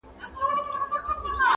اباسین بیا څپې څپې دی!